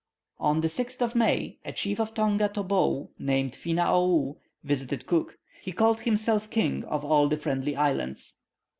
On the 6th of May, a chief of Tonga Tabou, named Finaou, visited Cook. He called himself king of all the Friendly Islands.